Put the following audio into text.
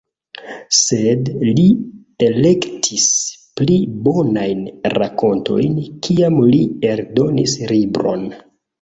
Sed li elektis pli bonajn rakontojn kiam li eldonis libron.